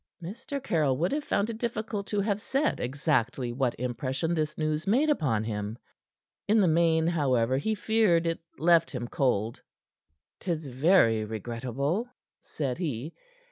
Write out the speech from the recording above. Mr. Caryll would have found it difficult to have said exactly what impression this news made upon him. In the main, however, he feared it left him cold. "'Tis very regrettable," said he.